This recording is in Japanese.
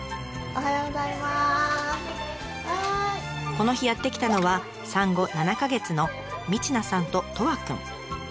この日やって来たのは産後７か月のミチナさんとトワくん。